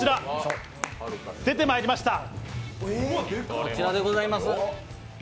こちらでございます。